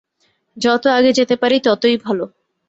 যত আগে যেতে পারি ততই ভালো।